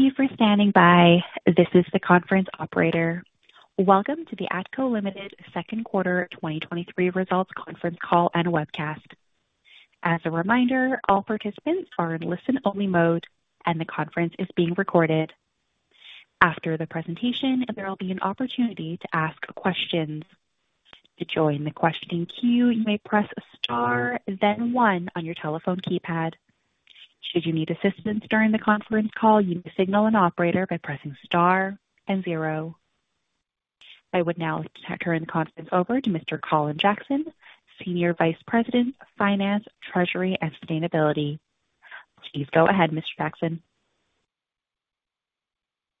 Thank you for standing by. This is the conference operator. Welcome to the ATCO Ltd. Second Quarter 2023 Results Conference Call and Webcast. As a reminder, all participants are in listen-only mode, and the conference is being recorded. After the presentation, there will be an opportunity to ask questions. To join the questioning queue, you may press Star, then one on your telephone keypad. Should you need assistance during the conference call, you may signal an operator by pressing Star and zero. I would now turn the conference over to Mr. Colin Jackson, Senior Vice President, Finance, Treasury, and Sustainability. Please go ahead, Mr. Jackson.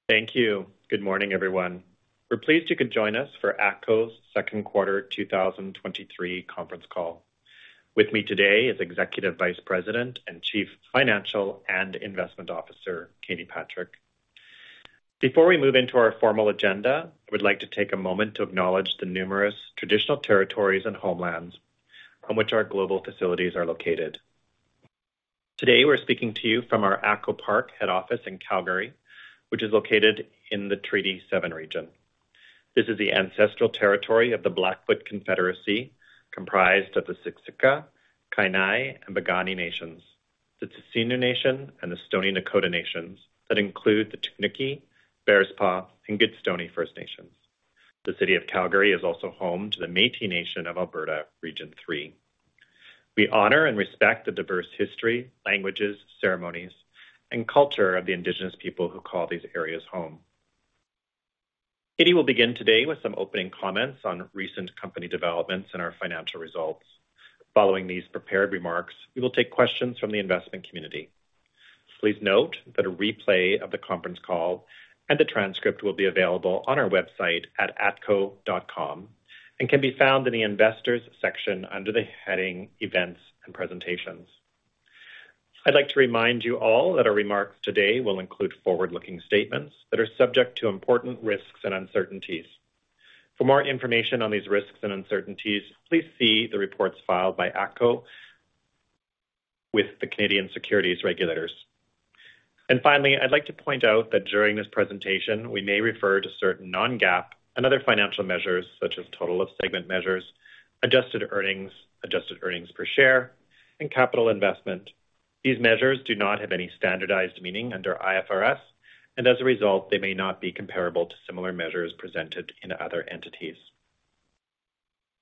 Thank you. Good morning, everyone. We're pleased you could join us for ATCO's second quarter 2023 conference call. With me today is Executive Vice President and Chief Financial and Investment Officer, Katie Patrick. Before we move into our formal agenda, I would like to take a moment to acknowledge the numerous traditional territories and homelands on which our global facilities are located. Today, we're speaking to you from our ATCO Park head office in Calgary, which is located in the Treaty Seven region. This is the ancestral territory of the Blackfoot Confederacy, comprised of the Siksika, Kainai, and Piikani Nations, the Tsuut'ina Nation, and the Stoney Nakoda Nations that include the Chiniki, Bearspaw, and Goodstoney First Nations. The City of Calgary is also home to the Métis Nation of Alberta, Region 3. We honor and respect the diverse history, languages, ceremonies, and culture of the Indigenous Peoples who call these areas home. Katie will begin today with some opening comments on recent company developments and our financial results. Following these prepared remarks, we will take questions from the investment community. Please note that a replay of the conference call and the transcript will be available on our website at atco.com and can be found in the Investors section under the heading Events & Presentations. I'd like to remind you all that our remarks today will include forward-looking statements that are subject to important risks and uncertainties. For more information on these risks and uncertainties, please see the reports filed by ATCO with the Canadian securities regulators. Finally, I'd like to point out that during this presentation, we may refer to certain non-GAAP and other financial measures, such as total of segment measures, adjusted earnings, adjusted earnings per share, and capital investment. These measures do not have any standardized meaning under IFRS, and as a result, they may not be comparable to similar measures presented in other entities.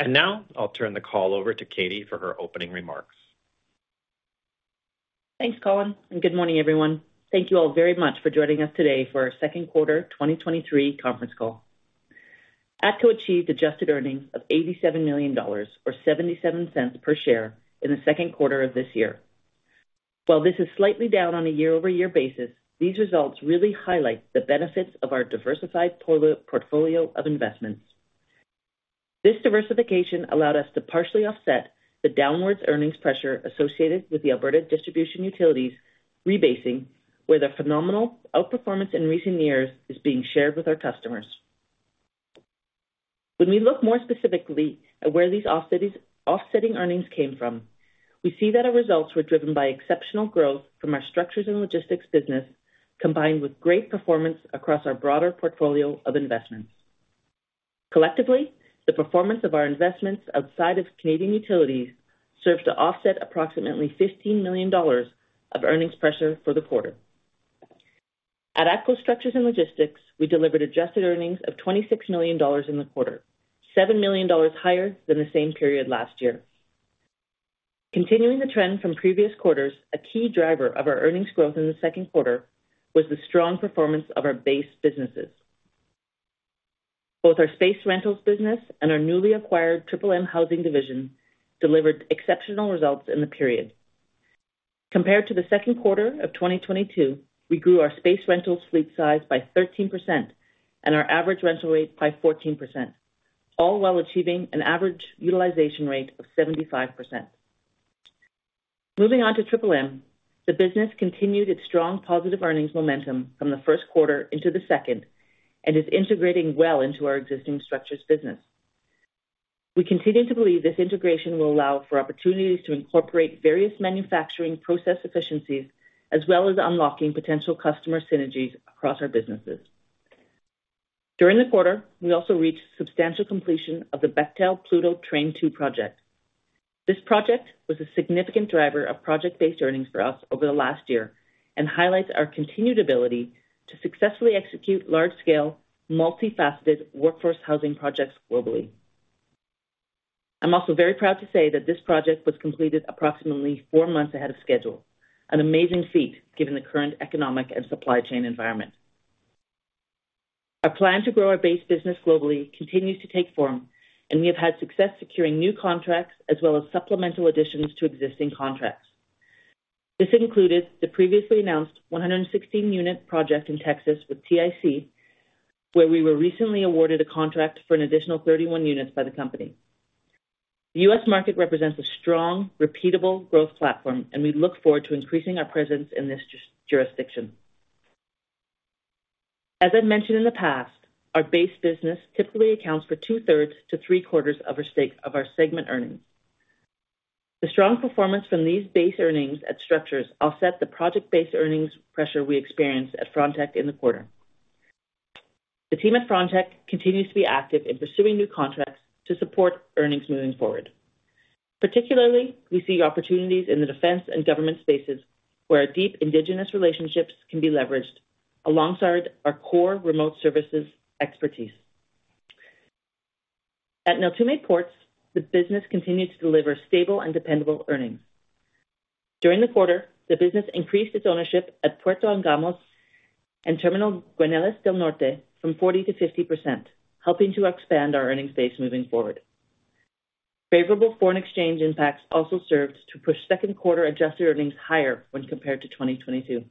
Now I'll turn the call over to Katie for her opening remarks. Thanks, Colin. Good morning, everyone. Thank you all very much for joining us today for our Second Quarter 2023 Conference Call. ATCO achieved adjusted earnings of 87 million dollars or 0.77 per share in the second quarter of this year. While this is slightly down on a year-over-year basis, these results really highlight the benefits of our diversified portfolio of investments. This diversification allowed us to partially offset the downwards earnings pressure associated with the Alberta Distribution Utilities rebasing, where the phenomenal outperformance in recent years is being shared with our customers. When we look more specifically at where these offsetting earnings came from, we see that our results were driven by exceptional growth from our Structures & Logistics business, combined with great performance across our broader portfolio of investments. Collectively, the performance of our investments outside of Canadian Utilities served to offset approximately 15 million dollars of earnings pressure for the quarter. At ATCO Structures & Logistics, we delivered adjusted earnings of 26 million dollars in the quarter, 7 million dollars higher than the same period last year. Continuing the trend from previous quarters, a key driver of our earnings growth in the second quarter was the strong performance of our base businesses. Both our Space Rentals business and our newly acquired Triple M Housing division delivered exceptional results in the period. Compared to the second quarter of 2022, we grew our space rental fleet size by 13% and our average rental rate by 14%, all while achieving an average utilization rate of 75%. Moving on to Triple M, the business continued its strong positive earnings momentum from the first quarter into the second and is integrating well into our existing Structures business. We continue to believe this integration will allow for opportunities to incorporate various manufacturing process efficiencies, as well as unlocking potential customer synergies across our businesses. During the quarter, we also reached substantial completion of the Bechtel-led Pluto Train 2 project. This project was a significant driver of project-based earnings for us over the last year and highlights our continued ability to successfully execute large-scale, multifaceted workforce housing projects globally. I'm also very proud to say that this project was completed approximately four months ahead of schedule, an amazing feat given the current economic and supply chain environment. Our plan to grow our base business globally continues to take form, and we have had success securing new contracts as well as supplemental additions to existing contracts. This included the previously announced 116-unit project in Texas with TIC, where we were recently awarded a contract for an additional 31 units by the company. The US market represents a strong, repeatable growth platform, and we look forward to increasing our presence in this jurisdiction. As I've mentioned in the past, our base business typically accounts for two-thirds to three-quarters of our segment earnings. The strong performance from these base earnings at Structures offset the project-based earnings pressure we experienced at Frontec in the quarter. The team at Frontec continues to be active in pursuing new contracts to support earnings moving forward. Particularly, we see opportunities in the defense and government spaces, where our deep Indigenous relationships can be leveraged alongside our core remote services expertise. At Neltume Ports, the business continues to deliver stable and dependable earnings. During the quarter, the business increased its ownership at Puerto Angamos and Terminal Guaymas del Norte from 40% to 50%, helping to expand our earnings base moving forward. Favorable foreign exchange impacts also served to push second quarter adjusted earnings higher when compared to 2022.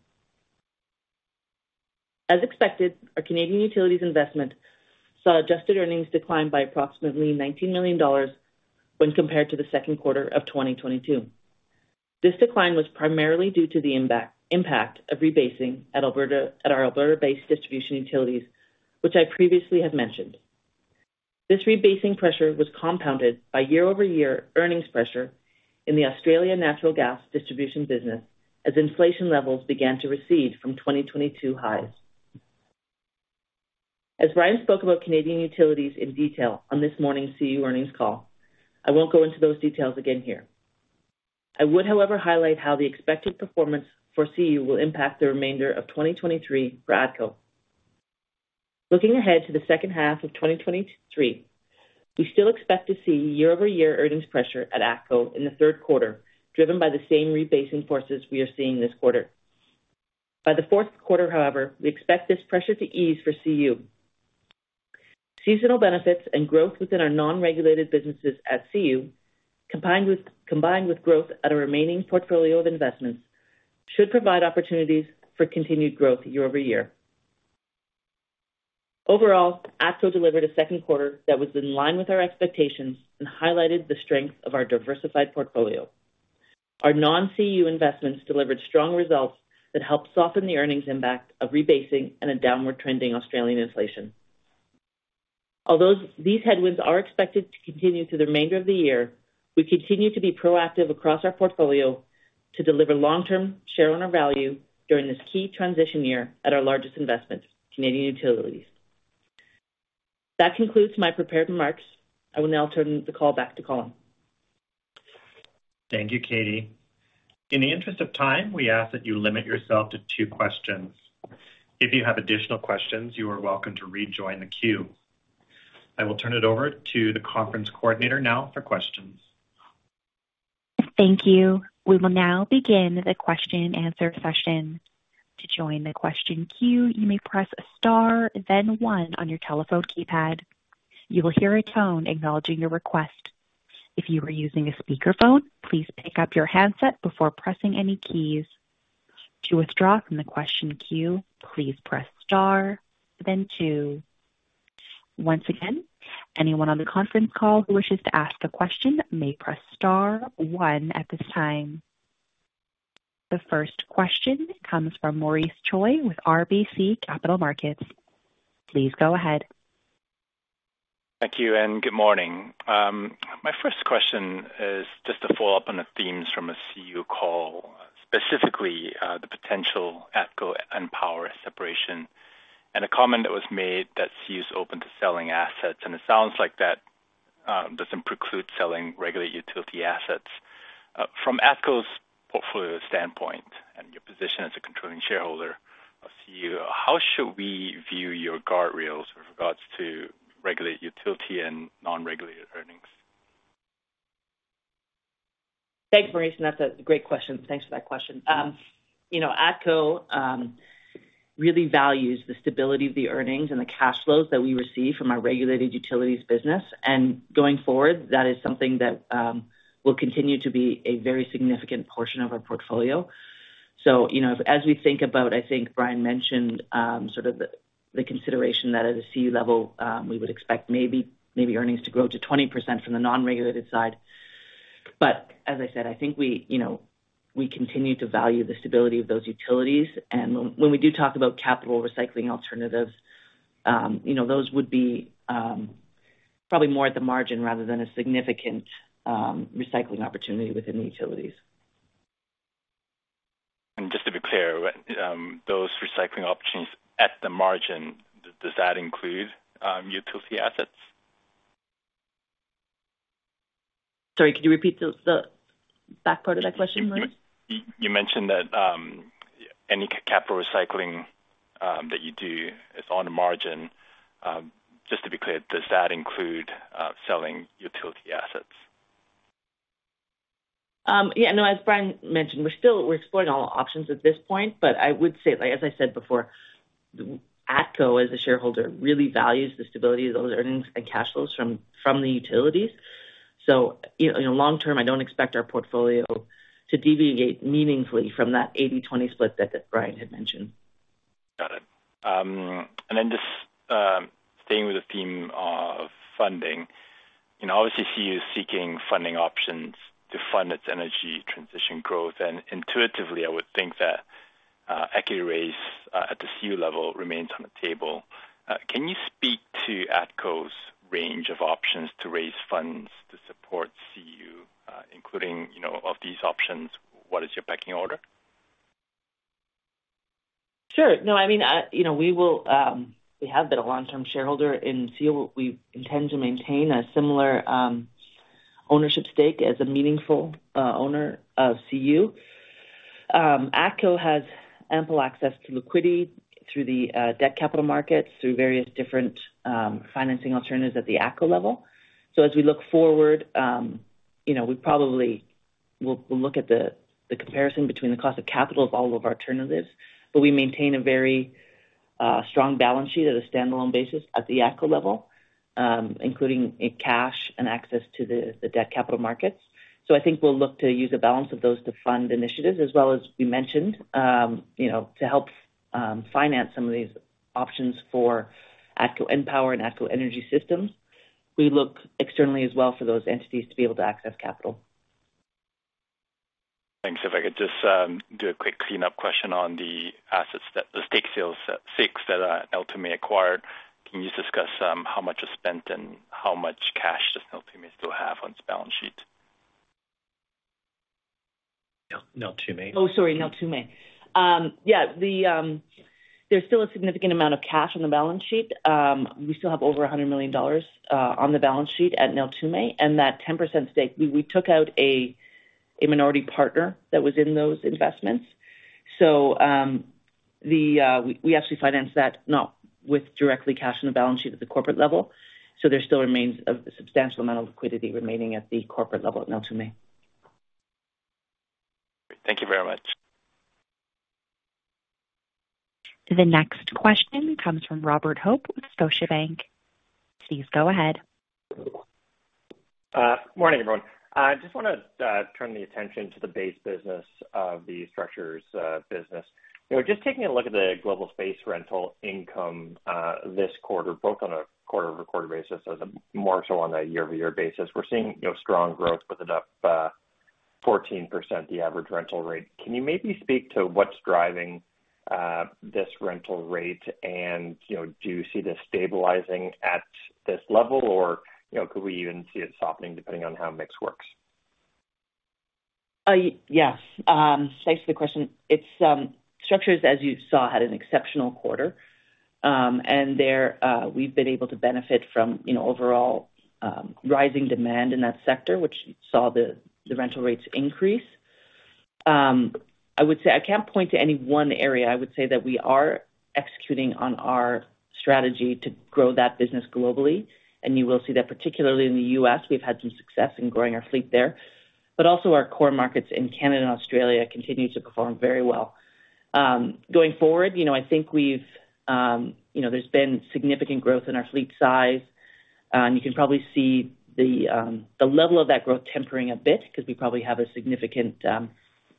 As expected, our Canadian Utilities investment saw adjusted earnings decline by approximately 19 million dollars when compared to the second quarter of 2022. This decline was primarily due to the impact of rebasing at our Alberta distribution utilities, which I previously have mentioned. This rebasing pressure was compounded by year-over-year earnings pressure in the Australian Natural Gas Distribution business, as inflation levels began to recede from 2022 highs. As Brian spoke about Canadian Utilities in detail on this morning's CU earnings call, I won't go into those details again here. I would, however, highlight how the expected performance for CU will impact the remainder of 2023 for ATCO. Looking ahead to the second half of 2023, we still expect to see year-over-year earnings pressure at ATCO in the third quarter, driven by the same rebasing forces we are seeing this quarter. By the fourth quarter, however, we expect this pressure to ease for CU. Seasonal benefits and growth within our non-regulated businesses at CU, combined with growth at our remaining portfolio of investments, should provide opportunities for continued growth year-over-year. Overall, ATCO delivered a second quarter that was in line with our expectations and highlighted the strength of our diversified portfolio. Our non-CU investments delivered strong results that helped soften the earnings impact of rebasing and a downward trending Australian inflation. Although these headwinds are expected to continue through the remainder of the year, we continue to be proactive across our portfolio to deliver long-term shareowner value during this key transition year at our largest investment, Canadian Utilities. That concludes my prepared remarks. I will now turn the call back to Colin. Thank you, Katie. In the interest of time, we ask that you limit yourself to two questions. If you have additional questions, you are welcome to rejoin the queue. I will turn it over to the conference coordinator now for questions. Thank you. We will now begin the question and answer session. To join the question queue, you may press star, then 1 on your telephone keypad. You will hear a tone acknowledging your request. If you are using a speakerphone, please pick up your handset before pressing any keys. To withdraw from the question queue, please press star, then 2. Once again, anyone on the conference call who wishes to ask a question may press star 1 at this time. The first question comes from Maurice Choy with RBC Capital Markets. Please go ahead. Thank you, and good morning. My first question is just to follow up on the themes from the CU call, specifically, the potential ATCO EnPower separation, and a comment that was made that CU is open to selling assets. It sounds like that doesn't preclude selling regulated utility assets. From ATCO's portfolio standpoint and your position as a controlling shareholder of CU, how should we view your guardrails with regards to regulated utility and non-regulated earnings? Thanks, Maurice. That's a great question. Thanks for that question. You know, ATCO really values the stability of the earnings and the cash flows that we receive from our regulated utilities business. Going forward, that is something that will continue to be a very significant portion of our portfolio. You know, as we think about, I think Brian mentioned, sort of the consideration that at a CU level, we would expect maybe earnings to grow to 20% from the non-regulated side. As I said, I think we, you know, we continue to value the stability of those utilities. When we do talk about capital recycling alternatives, you know, those would be probably more at the margin rather than a significant recycling opportunity within the utilities. just to be clear, those recycling options at the margin, does that include, utility assets? Sorry, could you repeat the back part of that question, Maurice? You mentioned that any capital recycling that you do is on the margin. Just to be clear, does that include selling utility assets? Yeah, no, as Brian mentioned, we're exploring all options at this point, but I would say, as I said before, ATCO, as a shareholder, really values the stability of those earnings and cash flows from the utilities. You know, long term, I don't expect our portfolio to deviate meaningfully from that 80/20 split that Brian had mentioned. Got it. Then just, staying with the theme of funding, you know, obviously, CU is seeking funding options to fund its growth, and intuitively, I would think that equity raise at the CU level remains on the table. Can you speak to ATCO's range of options to raise funds to support CU, including, you know, of these options, what is your pecking order? Sure. No, I mean, you know, we will, we have been a long-term shareholder in CU. We intend to maintain a similar ownership stake as a meaningful owner of CU. ATCO has ample access to liquidity through the debt capital markets, through various different financing alternatives at the ATCO level. As we look forward, you know, we probably, we'll look at the comparison between the cost of capital of all of our alternatives, but we maintain a very strong balance sheet at a standalone basis, at the ATCO level, including in cash and access to the debt capital markets. I think we'll look to use a balance of those to fund initiatives as well as we mentioned, you know, to help finance some of these options for ATCO EnPower and ATCO Energy Systems. We look externally as well for those entities to be able to access capital. Thanks. If I could just do a quick cleanup question on the assets that the stake sales that Neltume acquired. Can you just discuss how much is spent and how much cash does Neltume still have on its balance sheet? Neltume. Neltume Ports. Yeah, there's still a significant amount of cash on the balance sheet. We still have over 100 million dollars on the balance sheet at Neltume Ports, and that 10% stake, we took out a minority partner that was in those investments. We actually financed that not with directly cash on the balance sheet at the corporate level, so there still remains a substantial amount of liquidity remaining at the corporate level at Neltume Ports. Thank you very much. The next question comes from Robert Hope with Scotiabank. Please go ahead. Morning, everyone. I just wanna turn the attention to the base business of the Structures business. You know, just taking a look at the global space rental income this quarter, both on a quarter-over-quarter basis and more so on a year-over-year basis. We're seeing, you know, strong growth, with it up 14%, the average rental rate. Can you maybe speak to what's driving this rental rate? You know, do you see this stabilizing at this level, or, you know, could we even see it softening depending on how mix works? Yes. Thanks for the question. It's Structures, as you saw, had an exceptional quarter. We've been able to benefit from, you know, overall rising demand in that sector, which saw the rental rates increase. I would say I can't point to any one area. I would say that we are executing on our strategy to grow that business globally. Particularly in the US, we've had some success in growing our fleet there, but also our core markets in Canada and Australia continue to perform very well. Going forward, you know, I think we've, you know, there's been significant growth in our fleet size, and you can probably see the, the level of that growth tempering a bit because we probably have a significant,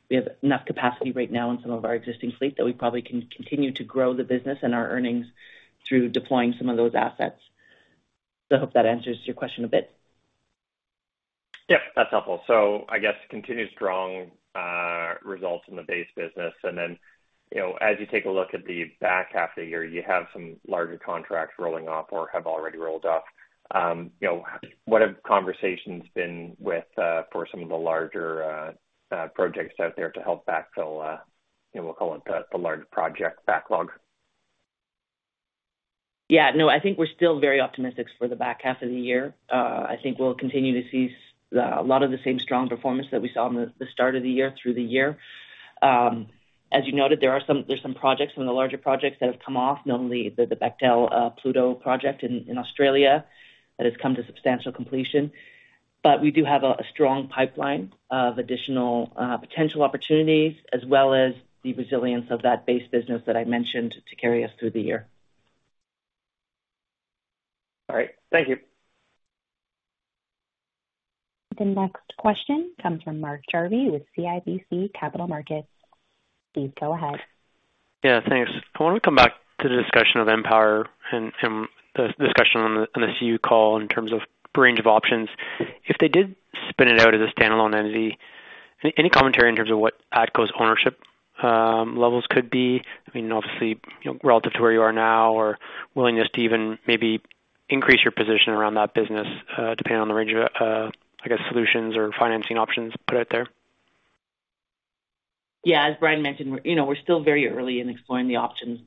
we have enough capacity right now in some of our existing fleet that we probably can continue to grow the business and our earnings through deploying some of those assets. I hope that answers your question a bit. Yep, that's helpful. I guess continued strong results in the base business, you know, as you take a look at the back half of the year, you have some larger contracts rolling off or have already rolled off. You know, what have conversations been with for some of the larger projects out there to help backfill, you know, we'll call it the large project backlog? Yeah. No, I think we're still very optimistic for the back half of the year. I think we'll continue to see a lot of the same strong performance that we saw on the start of the year through the year. As you noted, there are some projects, some of the larger projects that have come off, notably the Bechtel-led Pluto project in Australia, that has come to substantial completion. We do have a strong pipeline of additional potential opportunities, as well as the resilience of that base business that I mentioned to carry us through the year. All right. Thank you. The next question comes from Mark Jarvi with CIBC Capital Markets. Please go ahead. Yeah, thanks. I want to come back to the discussion of EnPower and the discussion on the CU call in terms of range of options. If they did spin it out as a standalone entity, any commentary in terms of what ATCO's ownership levels could be? I mean, obviously, you know, relative to where you are now or willingness to even maybe increase your position around that business, depending on the range of, I guess, solutions or financing options put out there. Yeah, as Brian mentioned, we're, you know, we're still very early in exploring the options.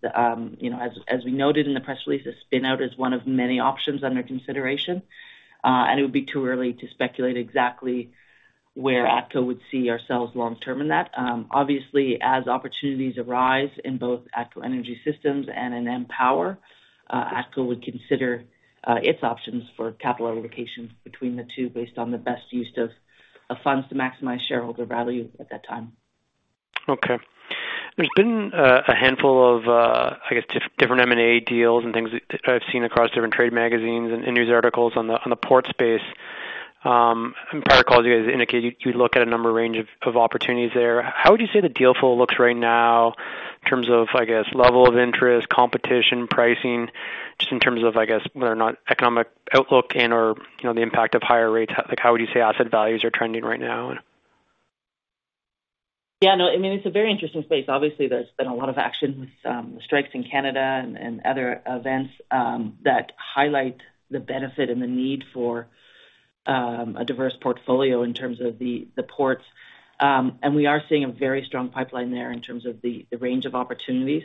You know, as we noted in the press release, a spin-out is one of many options under consideration. It would be too early to speculate exactly where ATCO would see ourselves long term in that. Obviously, as opportunities arise in both ATCO Energy Systems and in EnPower, ATCO would consider its options for capital allocations between the two based on the best use of funds to maximize shareholder value at that time. Okay. There's been a handful of, I guess, different M&A deals and things I've seen across different trade magazines and news articles on the port space. In prior calls, you guys indicated you'd look at a number range of opportunities there. How would you say the deal flow looks right now in terms of, I guess, level of interest, competition, pricing? Just in terms of, I guess, whether or not economic outlook and/or, you know, the impact of higher rates, like, how would you say asset values are trending right now? No, I mean, it's a very interesting space. Obviously, there's been a lot of action with the strikes in Canada and other events that highlight the benefit and the need for a diverse portfolio in terms of the ports. We are seeing a very strong pipeline there in terms of the range of opportunities.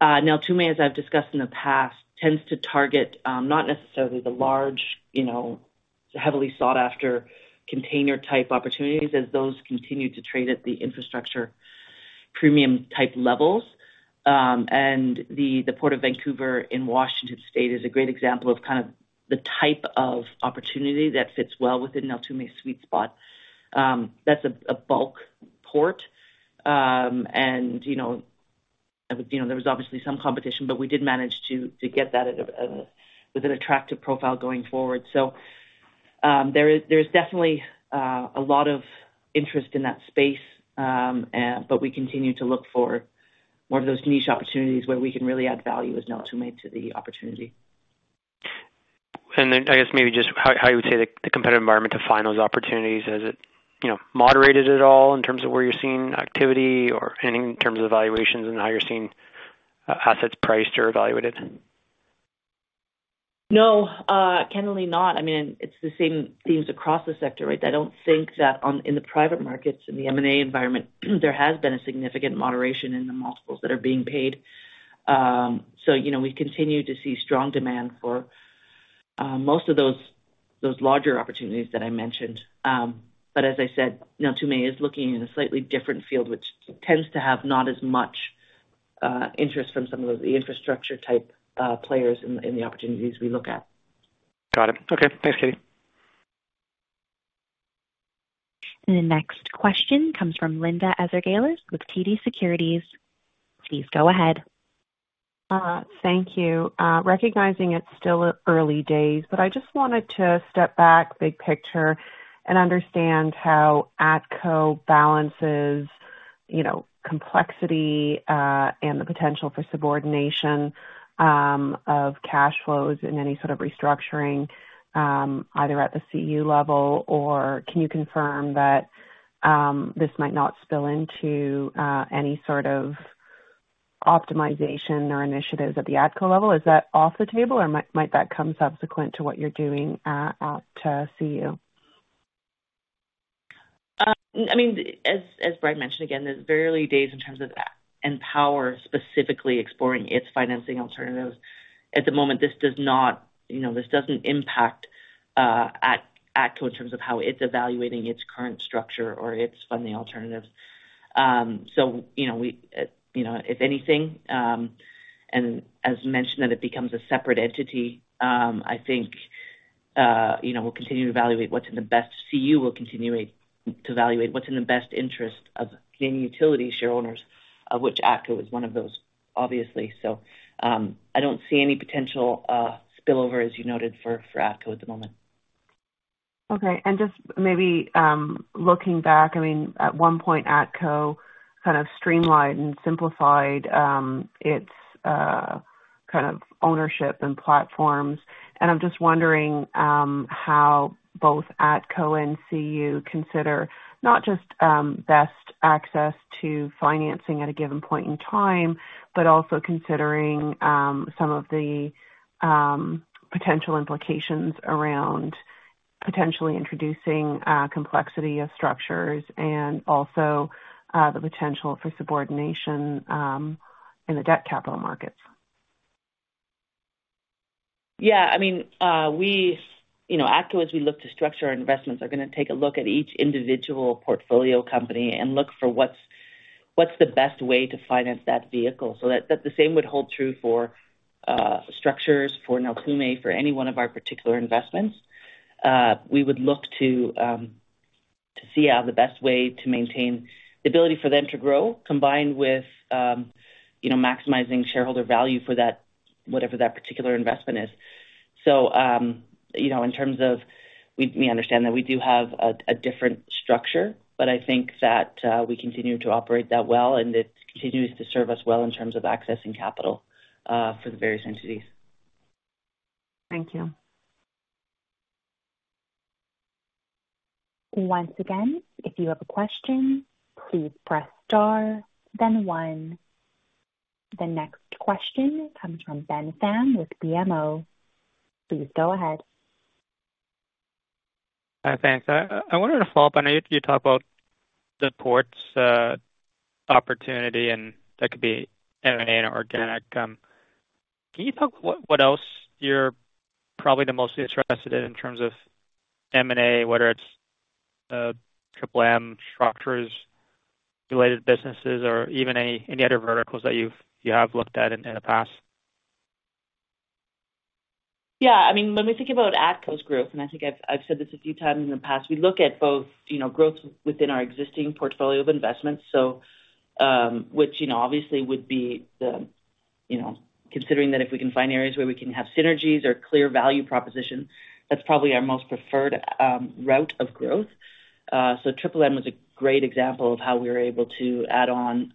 Now, to me, as I've discussed in the past, tends to target not necessarily the large, you know, heavily sought-after container-type opportunities as those continue to trade at the infrastructure premium-type levels. The Port of Vancouver in Washington State is a great example of kind of the type of opportunity that fits well within Neltume's sweet spot. That's a bulk port. You know, there was obviously some competition, but we did manage to get that at a with an attractive profile going forward. There's definitely a lot of interest in that space. But we continue to look for more of those niche opportunities where we can really add value as Neltume to the opportunity. Then, I guess, maybe just how you would say the competitive environment to find those opportunities. Has it, you know, moderated at all in terms of where you're seeing activity or, and in terms of valuations and how you're seeing assets priced or evaluated? No, candidly not. I mean, it's the same themes across the sector, right? I don't think that in the private markets, in the M&A environment, there has been a significant moderation in the multiples that are being paid. You know, we continue to see strong demand for most of those larger opportunities that I mentioned. As I said, Neltume is looking in a slightly different field, which tends to have not as much interest from some of those, the infrastructure-type players in the opportunities we look at. Got it. Okay. Thanks, Katie. The next question comes from Linda Ezergailis with TD Securities. Please go ahead. Thank you. Recognizing it's still early days, I just wanted to step back, big picture, and understand how ATCO balances, you know, complexity, and the potential for subordination of cash flows in any sort of restructuring, either at the CU level, or can you confirm that this might not spill into any sort of optimization or initiatives at the ATCO level? Is that off the table, or might that come subsequent to what you're doing at CU? I mean, as Brian mentioned, again, there's very early days in terms of EnPower specifically exploring its financing alternatives. At the moment, this does not, you know, this doesn't impact ATCO in terms of how it's evaluating its current structure or its funding alternatives. You know, we, you know, if anything, and as mentioned, that it becomes a separate entity, I think, you know, CU will continue to evaluate what's in the best interest of Canadian utility shareholders, of which ATCO is one of those, obviously. I don't see any potential spillover, as you noted, for ATCO at the moment. Okay. Just maybe, looking back, at one point, ATCO kind of streamlined and simplified its kind of ownership and platforms. I'm just wondering how both ATCO and CU consider not just best access to financing at a given point in time, but also considering some of the potential implications around potentially introducing complexity of structures and also the potential for subordination in the debt capital markets. I mean, we, you know, ATCO, as we look to structure our investments, are going to take a look at each individual portfolio company and look for what's the best way to finance that vehicle. That the same would hold true for Structures, for Neltume, for any one of our particular investments. We would look to see the best way to maintain the ability for them to grow, combined with, you know, maximizing shareholder value for that, whatever that particular investment is. You know, in terms of, we understand that we do have a different structure, but I think that we continue to operate that well, and it continues to serve us well in terms of accessing capital for the various entities. Thank you. Once again, if you have a question, please press Star then 1. The next question comes from Ben Pham with BMO. Please go ahead. Thanks. I wanted to follow up. I know you talked about the ports opportunity, and that could be M&A or organic. Can you talk what else you're probably the most interested in, in terms of M&A, whether it's Triple M Structures, related businesses, or even any other verticals that you have looked at in the past? Yeah, I mean, when we think about ATCO's growth, I think I've said this a few times in the past, we look at both, you know, growth within our existing portfolio of investments. Which, you know, obviously would be the, you know, considering that if we can find areas where we can have synergies or clear value proposition, that's probably our most preferred route of growth. Triple M was a great example of how we were able to add on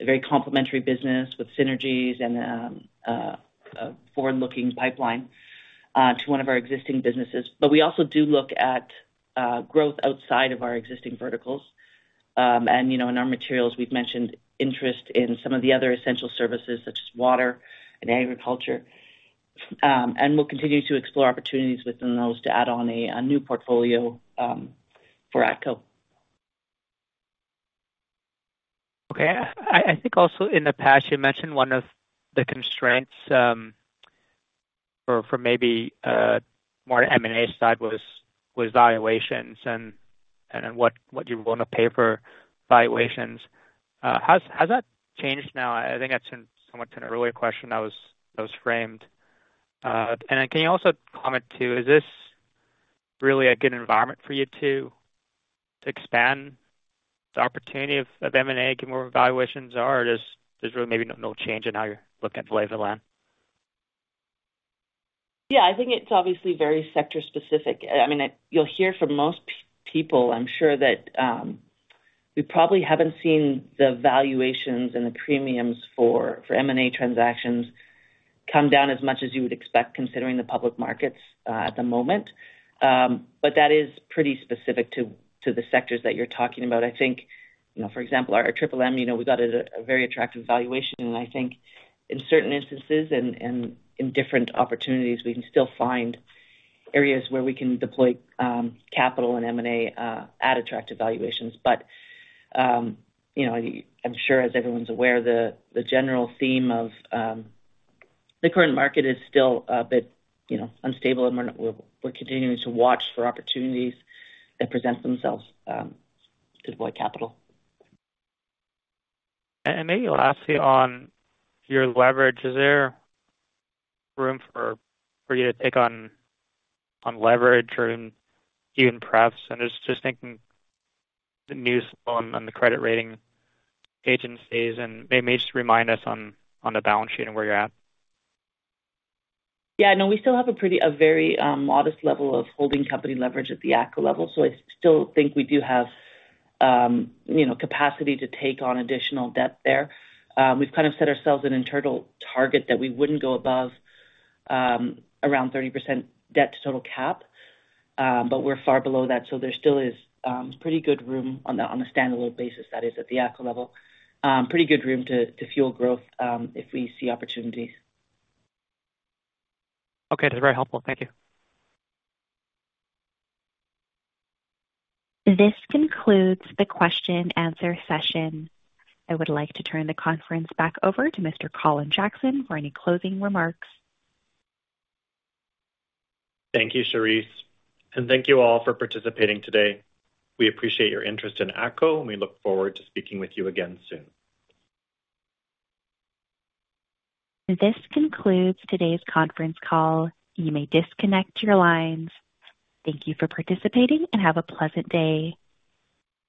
a very complementary business with synergies and forward-looking pipeline to one of our existing businesses. We also do look at growth outside of our existing verticals. You know, in our materials, we've mentioned interest in some of the other essential services, such as water and agriculture. We'll continue to explore opportunities within those to add on a new portfolio for ATCO. Okay. I think also in the past, you mentioned one of the constraints, for maybe more M&A side was valuations and then what you were willing to pay for valuations. Has that changed now? I think that's in somewhat an earlier question that was framed. Can you also comment, too, is this really a good environment for you to expand the opportunity of M&A, give more valuations, or is there's really maybe no change in how you're looking at the land? Yeah, I think it's obviously very sector specific. I mean, you'll hear from most people, I'm sure, that we probably haven't seen the valuations and the premiums for M&A transactions come down as much as you would expect, considering the public markets at the moment. That is pretty specific to the sectors that you're talking about. I think, you know, for example, our Triple M, you know, we got a very attractive valuation, and I think in certain instances and in different opportunities, we can still find areas where we can deploy capital and M&A at attractive valuations. I'm sure, as everyone's aware, the general theme of the current market is still a bit, you know, unstable, and we're continuing to watch for opportunities that present themselves to deploy capital. Maybe lastly, on your leverage, is there room for you to take on leverage or even prefs? I was just thinking the news on the credit rating agencies, and maybe just remind us on the balance sheet and where you're at. I know we still have a pretty, a very, modest level of holding company leverage at the ATCO level, so I still think we do have, you know, capacity to take on additional debt there. We've kind of set ourselves an internal target that we wouldn't go above, around 30% debt to total cap, but we're far below that, so there still is pretty good room on a standalone basis that is at the ATCO level. Pretty good room to fuel growth if we see opportunities. Okay. That's very helpful. Thank you. This concludes the question-answer session. I would like to turn the conference back over to Mr. Colin Jackson for any closing remarks. Thank you, Charisse and thank you all for participating today. We appreciate your interest in ATCO, and we look forward to speaking with you again soon. This concludes today's conference call. You may disconnect your lines. Thank you for participating, and have a pleasant day.